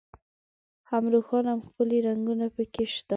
هم روښانه او ښکلي رنګونه په کې شته.